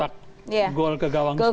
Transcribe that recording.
yang mencetak gol ke gawang sendiri